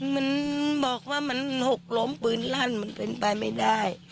มันบอกว่ามันหกล้มปืนลั่นมันเป็นไปไม่ได้